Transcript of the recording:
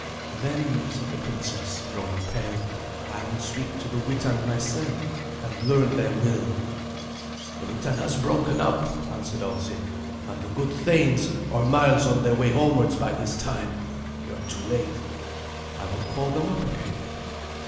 "Then," said the princess, growing pale, "I will speak to the Witan myself, and learn their will." "The Witan has broken up," answered Alsi, "and the good thanes are miles on their way homewards by this time. You are too late." "I will call them up again."